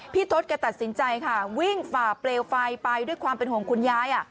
ทศแกตัดสินใจค่ะวิ่งฝ่าเปลวไฟไปด้วยความเป็นห่วงคุณยาย